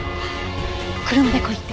車で来いって。